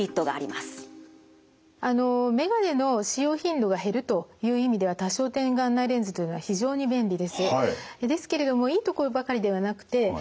あの眼鏡の使用頻度が減るという意味では多焦点眼内レンズというのは非常に便利です。